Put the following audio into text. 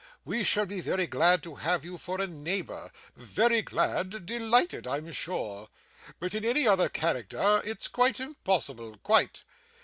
We shall be very glad to have you for a neighbour very glad; delighted, I'm sure but in any other character it's quite impossible, quite.